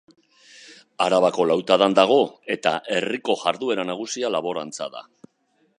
Arabako Lautadan dago eta herriko jarduera nagusia laborantza da.